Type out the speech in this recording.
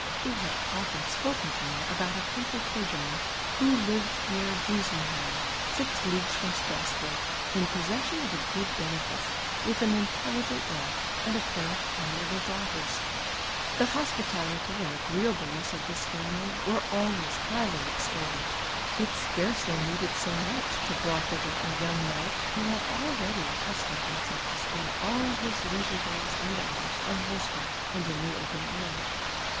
He had often spoken to me about a country clerixvinan who lived near Drusenheim, six lea^i^ues from v^tras bur*^, in possession of a good benefice, with an intelliL^ent wife and a pair of amiable daughters. Tlie hospitality and agrce ablencss of this family were always highly extolled. It scarcely needed so much to draw thither a yoimg knight who had already accustomed himself to spend all his leism'c days and hours on horseback and in the open air.